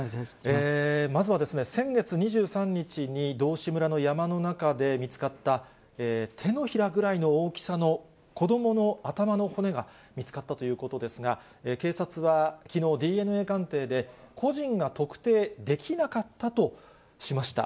まずは先月２３日に道志村の山の中で見つかった手のひらぐらいの大きさの子どもの頭の骨が見つかったということですが、警察はきのう、ＤＮＡ鑑定で、個人が特定できなかったとしました。